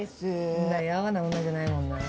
そんなヤワな女じゃないもんな。